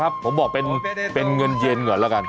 ผมบอกเป็นเงินเย็นก่อนแล้วกัน